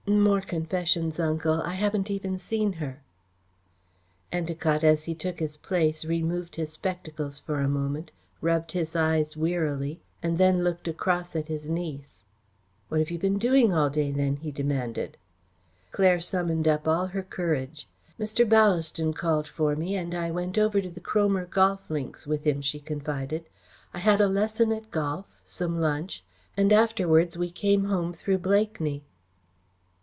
"More confessions, Uncle. I haven't even seen her." Endacott, as he took his place, removed his spectacles for a moment, rubbed his eyes wearily, and then looked across at his niece. "What have you been doing all day then?" he demanded. Claire summoned up all her courage. "Mr. Ballaston called for me and I went over to the Cromer Golf Links with him," she confided. "I had a lesson at golf, some lunch, and afterwards we came home through Blakeney."